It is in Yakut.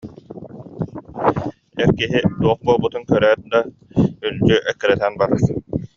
Эр киһи туох буолбутун көрөөт да, үлдьү эккирэтэн барар